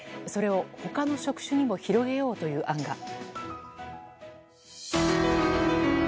それを、他の職種にも広げようという案が。